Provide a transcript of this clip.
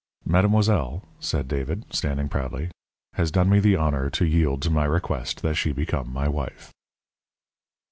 "Mademoiselle," said David, standing proudly, "has done me the honour to yield to my request that she become my wife."